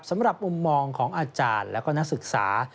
สำหรับมุมมองของอาจารย์และก็นักศึกษา